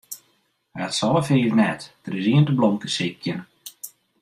Hy hat se alle fiif net, der is ien te blomkesykjen.